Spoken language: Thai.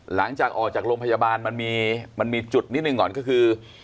หลังจากออกจากโรงพยาบาลมันมีจุดนิดหนึ่งก่อนก็คือ